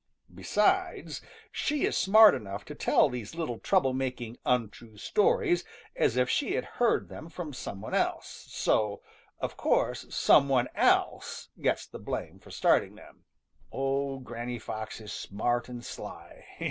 Besides, she is smart enough to tell these little trouble making, untrue stories as if she had heard them from some one else. So, of course, some one else gets the blame for starting them. Oh, Granny Fox is smart and sly!